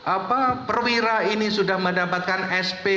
apa perwira ini sudah mendapatkan sp